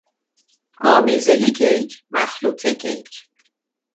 آمیزهی کیک، مخلوط کیک